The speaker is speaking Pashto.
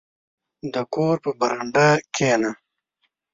• د کور په برنډه کښېنه.